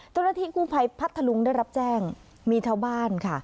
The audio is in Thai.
เจ้าหน้าที่กู้ภัยพัทธลุงได้รับแจ้งมีชาวบ้านค่ะ